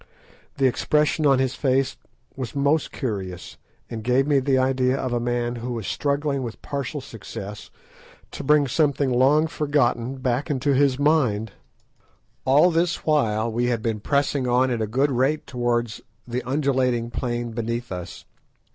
The expression on his face was most curious, and gave me the idea of a man who was struggling with partial success to bring something long ago forgotten back into his mind. All this while we had been pressing on at a good rate towards the undulating plain beneath us.